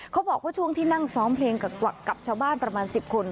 เขาบอกว่าช่วงที่นั่งซ้อมเพลงกับชาวบ้านประมาณ๑๐คน